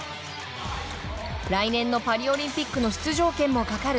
来年のパリオリンピックの出場権もかかる